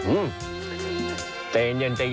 โอ้โหมันใหญ่ขนาดนี้เนี่ย